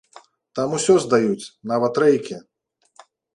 Там усё здаюць, нават рэйкі.